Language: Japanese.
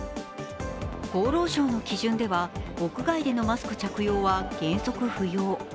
厚労省の基準では屋外でのマスク着用は原則不要。